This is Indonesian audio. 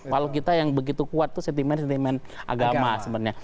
walau kita yang begitu kuat itu sentimen sentimen agama sebenarnya